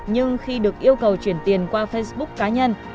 nhưng khi được yêu cầu chuyển tiền qua facebook cá nhân